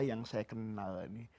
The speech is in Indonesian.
yang saya kenal ini